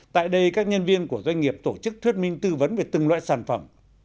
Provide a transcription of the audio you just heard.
tại đây các nhân viên của doanh nghiệp tổ chức thuyết minh tư vấn về từng loại sản phẩm